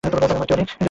ও ছাড়া আমার কেউ নেই।